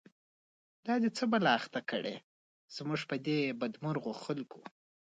دا دی څه بلا اخته کړه، زمونږ په دی بد مرغوخلکو